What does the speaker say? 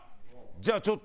じゃあちょっと。